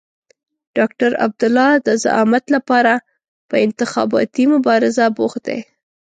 ډاکټر عبدالله د زعامت لپاره په انتخاباتي مبارزه بوخت دی.